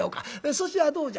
そちはどうじゃ？